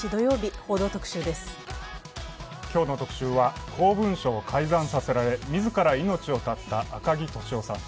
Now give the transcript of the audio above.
今日の特集は公文書を改ざんさせられ自ら命を絶った赤木俊夫さん。